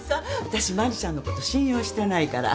私真理ちゃんのこと信用してないから。